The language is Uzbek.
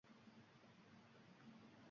saylov komediyasida qatnashmaslikdan ortib